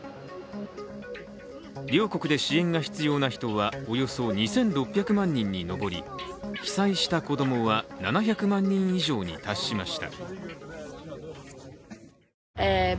両国で支援が必要な人はおよそ２６００万人に上り被災した子供は７００万人以上に達しました。